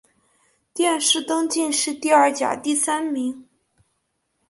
殿试登进士第二甲第三名。